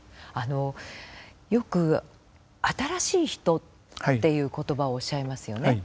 よく「新しい人」っていう言葉をおっしゃいますよね。